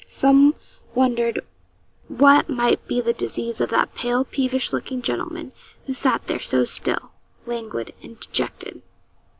Some wondered what might be the disease of that pale, peevish looking gentleman, who sat there so still, languid, and dejected.